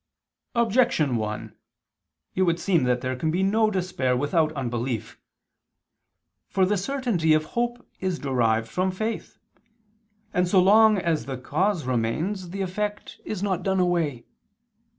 Objection 1: It would seem that there can be no despair without unbelief. For the certainty of hope is derived from faith; and so long as the cause remains the effect is not done away.